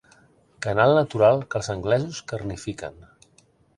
Canal natural que els anglesos carnifiquen.